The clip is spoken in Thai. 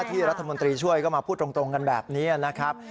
ที่รัฐมนตรีช่วยก็มาพูดตรงกันแบบนี้นะครับ